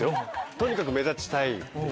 とにかく目立ちたい。